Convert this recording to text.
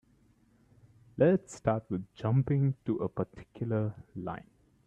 Let's start with jumping to a particular line.